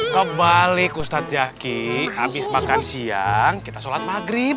kebalik ustadz jaki habis makan siang kita sholat maghrib